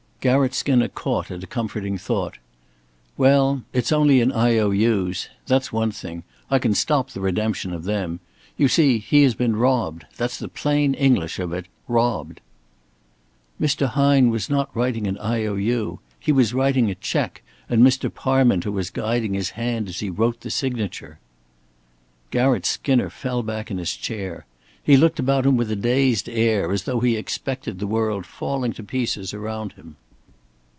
Garratt Skinner caught at a comforting thought. "Well, it's only in I.O.U's. That's one thing. I can stop the redemption of them. You see, he has been robbed that's the plain English of it robbed." "Mr. Hine was not writing an I.O.U. He was writing a check, and Mr. Parminter was guiding his hand as he wrote the signature." Garratt Skinner fell back in his chair. He looked about him with a dazed air, as though he expected the world falling to pieces around him.